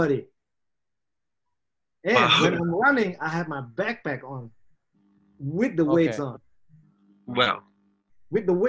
dan ketika berlari saya memiliki beg beg saya dengan beratnya